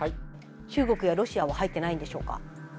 中国やロシアは入ってないんでしょうか？